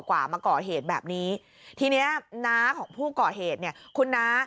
กว่ามาก่อเหตุแบบนี้ทีเนี้ยน้าของผู้ก่อเหตุเนี่ยคุณน้า